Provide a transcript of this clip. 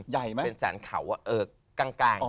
ใหญ่มั้ยเป็นสารเขาอ่ะเออกลาง